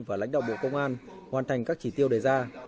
và lãnh đạo bộ công an hoàn thành các chỉ tiêu đề ra